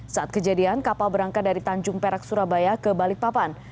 saat kejadian kapal berangkat dari tanjung perak surabaya ke balikpapan